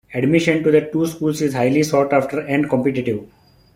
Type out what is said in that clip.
Admission to the two schools is highly sought-after and competitive.